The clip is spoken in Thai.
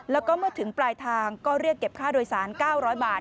แล้วก็เมื่อถึงปลายทางก็เรียกเก็บค่าโดยสาร๙๐๐บาท